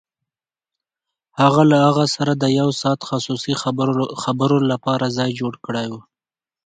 هغه له هغه سره د يو ساعته خصوصي خبرو لپاره ځای جوړ کړی و.